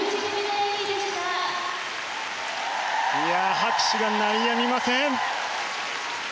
拍手が鳴りやみません。